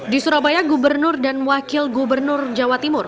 di surabaya gubernur dan wakil gubernur jawa timur